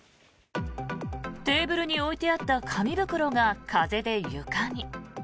テーブルに置いてあった紙袋が風で床に。